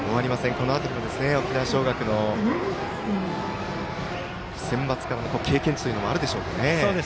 このあとにも沖縄尚学のセンバツからの経験値というのもあるでしょうからね。